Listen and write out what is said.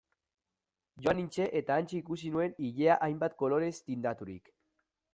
Joan nintzen eta hantxe ikusi nuen ilea hainbat kolorez tindaturik...